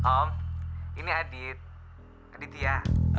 om ini adit aditya